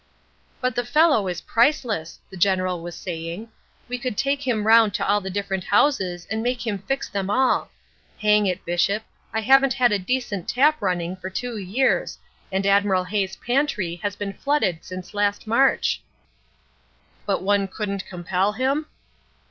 "'But the fellow is priceless,' the General was saying. 'We could take him round to all the different houses and make him fix them all. Hang it, Bishop, I haven't had a decent tap running for two years, and Admiral Hay's pantry has been flooded since last March.' "'But one couldn't compel him?'